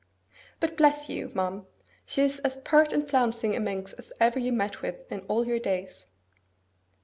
But bless you! ma'am, she is as pert and flouncing a minx as ever you met with in all your days!